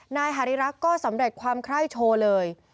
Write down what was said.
นายหาริรักษ์ก็สำเร็จความไคร้โชว์เลย